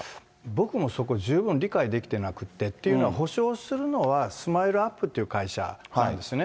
僕もそこ、十分理解できてなくって、っていうのは補償するのは、スマイルアップという会社なんですね。